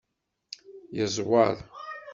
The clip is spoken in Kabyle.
Yeẓweṛ.